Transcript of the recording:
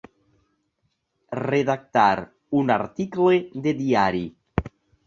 Redactar un article de diari.